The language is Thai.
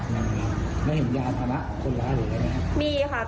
มีขาตรอจักรยานทิ้งไว้ฝั่งตรงข้าม